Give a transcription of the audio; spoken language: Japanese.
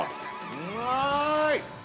うまーい。